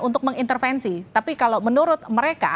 untuk mengintervensi tapi kalau menurut mereka